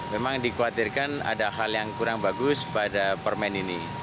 memang dikhawatirkan ada hal yang kurang bagus pada permen ini